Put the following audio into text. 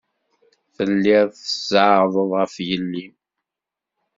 Tellid tzeɛɛḍed ɣef yelli-m.